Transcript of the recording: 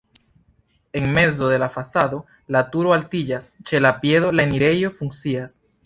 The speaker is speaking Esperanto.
En mezo de la fasado la turo altiĝas, ĉe la piedo la enirejo funkcias.